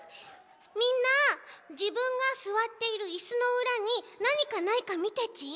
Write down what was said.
みんなじぶんがすわっているイスのうらになにかないかみてち。